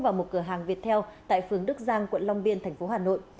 vào một cửa hàng việt theo tại phường đức giang quận long biên thành phố hà nội